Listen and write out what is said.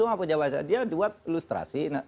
semua dia buat ilustrasi